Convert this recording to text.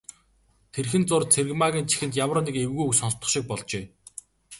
Тэрхэн зуур Цэрэгмаагийн чихэнд ямар нэг эвгүй үг сонстох шиг болжээ.